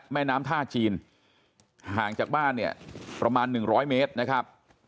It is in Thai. แม่น้ำท่าจีนห่างจากบ้านเนี่ยประมาณ๑๐๐เมตรนะครับ